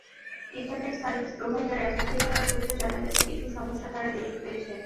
Internet service provider association সূত্রে জানা গেছে, কিছু সমস্যা তারা দেখতে পেয়েছে।